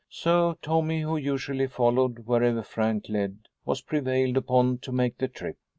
So Tommy, who usually followed wherever Frank led, was prevailed upon to make the trip.